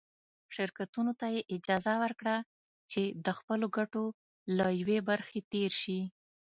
شرکتونو ته یې اجازه ورکړه چې د خپلو ګټو له یوې برخې تېر شي.